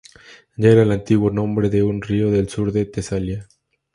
Ya era el antiguo nombre de un río del sur de Tesalia.